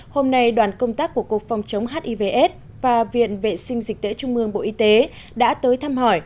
hôm nay đoàn công tác của cục phòng chống hivs và viện vệ sinh dịch tễ trung mương bộ y tế đã tới thăm hỏi